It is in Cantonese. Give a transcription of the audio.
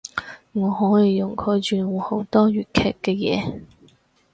我可以用佢轉換好多粵劇嘅嘢